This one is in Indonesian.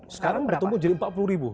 sekarang bertumbuh jadi empat puluh ribu